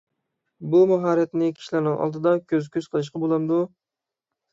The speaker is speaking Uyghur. بۇ ماھارەتنى كىشىلەرنىڭ ئالدىدا كۆز - كۆز قىلىشقا بولامدۇ؟